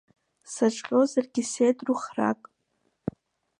Саҿҟьозаргьы сеидру храк.